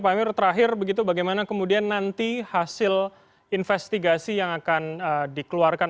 pak amir terakhir begitu bagaimana kemudian nanti hasil investigasi yang akan dikeluarkan